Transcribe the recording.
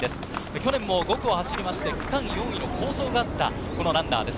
去年も５区を走って区間４位の好走だったランナーです。